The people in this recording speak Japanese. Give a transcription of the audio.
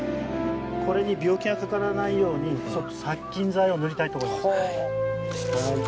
これに病気かからないように殺菌剤を塗りたいと思います。